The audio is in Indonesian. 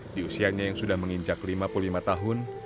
di usianya yang sudah menginjak lima puluh lima tahun